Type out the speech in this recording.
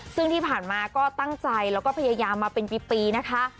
ซึ่งที่ผ่านมาก็ตั้งใจแล้วก็พยายามมาเป็นปีนะคะ